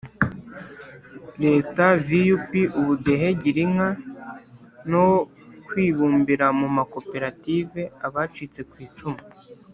Leta vup ubudehe girinka no kwibumbira mu makoperative abacitse ku icumu